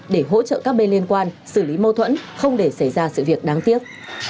để hỗ trợ các bên liên quan xử lý mâu thuẫn không để xảy ra sự việc đáng tiếc